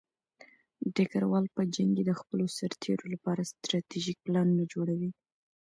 ډګروال په جنګ کې د خپلو سرتېرو لپاره ستراتیژیک پلانونه جوړوي.